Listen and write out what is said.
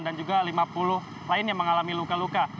dan juga lima puluh lain yang mengalami luka luka